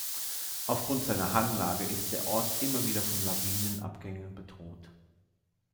Aufgrund seiner Hanglage ist der Ort immer wieder von Lawinenabgängen bedroht.